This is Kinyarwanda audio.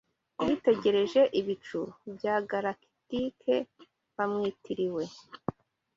yitegereje "ibicu" bya galakitike bamwitiriwe